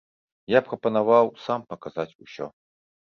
Я прапанаваў сам паказаць усё.